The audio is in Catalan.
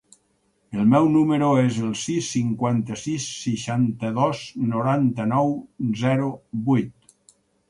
El meu número es el sis, cinquanta-sis, seixanta-dos, noranta-nou, zero, vuit.